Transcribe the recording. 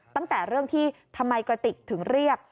ตั้งแต่เรื่องที่ทำไมกระติกถึงเรียก